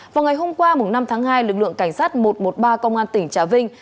vào ngày hôm qua năm tháng hai lực lượng cảnh sát một trăm một mươi ba công an tỉnh trà vinh